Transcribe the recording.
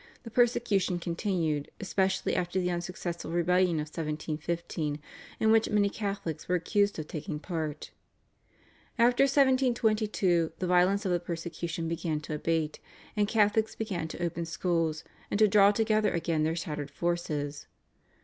the persecution continued, especially after the unsuccessful rebellion of 1715 in which many Catholics were accused of taking part. After 1722 the violence of the persecution began to abate, and Catholics began to open schools, and to draw together again their shattered forces.